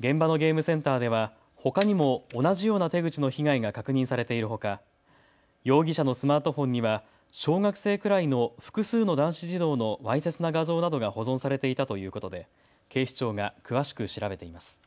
現場のゲームセンターではほかにも同じような手口の被害が確認されているほか容疑者のスマートフォンには、小学生くらいの複数の男子児童のわいせつな画像などが保存されていたということで警視庁が詳しく調べています。